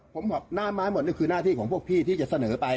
ผมบอกหน้าไม้หมดนี่คือหน้าที่ของพวกพี่ที่จะเสนอไป